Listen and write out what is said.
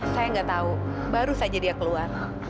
saya nggak tahu baru saja dia keluar